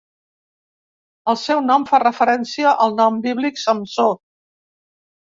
El seu nom fa referència al nom bíblic Samsó.